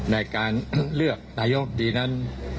ในการเลือกนายกดีนั้น